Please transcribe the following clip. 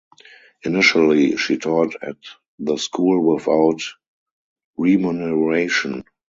Initially she taught at the school without remuneration.